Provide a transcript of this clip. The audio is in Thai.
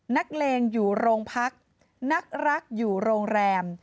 นักเลงอยู่โรงพักนักรักอยู่โรงแรม